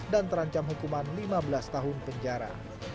dan terancam hukuman lima belas tahun penjara